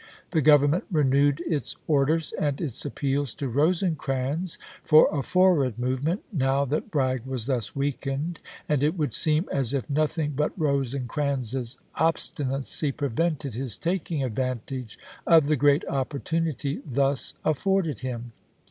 The Government renewed its orders and its appeals to Rosecrans for a forward movement, now that Bragg was thus weakened, and it would seem as if nothing but Rosecrans's obstinacy pre vented his taking advantage of the great oppor tunity thus afforded him.